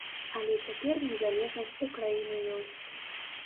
Але цяпер незалежнасць у краіны ёсць.